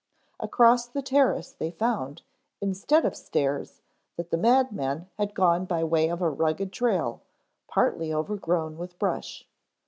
Across the terrace they found, instead of stairs, that the madman had gone by way of a rugged trail, partly overgrown with brush.